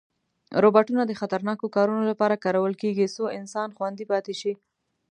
روباټونه د خطرناکو کارونو لپاره کارول کېږي، څو انسان خوندي پاتې شي.